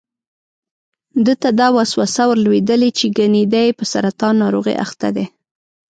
ده ته دا وسوسه ور لوېدلې چې ګني دی په سرطان ناروغۍ اخته دی.